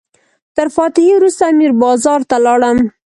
تر فاتحې وروسته میر بازار ته لاړم.